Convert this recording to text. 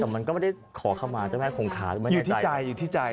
แต่มันก็ไม่ได้ขอเข้ามาจะไม่ให้คงค้าอยู่ที่ใจ